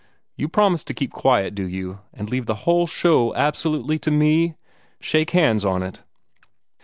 You promise to keep quiet, do you, and leave the whole show absolutely to me? Shake hands on it."